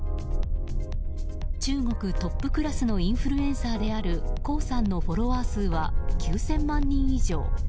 中国トップクラスのインフルエンサーであるコウさんのフォロワー数は９０００万人以上。